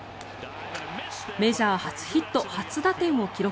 メジャー初ヒット初打点を記録。